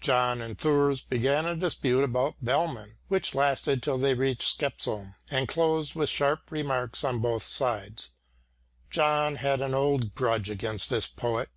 John and Thurs began a dispute about Bellmann which lasted till they reached Skeppsholm, and closed with sharp remarks on both sides. John had an old grudge against this poet.